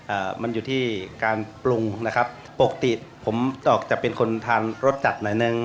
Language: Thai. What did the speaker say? อ่ามันอยู่ที่การปรุงนะครับปกติผมออกจะเป็นคนทานรสจัดหน่อยหนึ่ง